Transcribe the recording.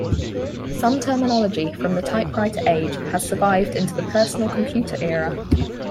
Some terminology from the typewriter age has survived into the personal computer era.